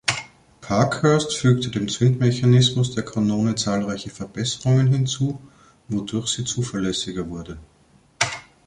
Parkhurst fügte dem Zündmechanismus der Kanone zahlreiche Verbesserungen hinzu, wodurch sie zuverlässiger wurde.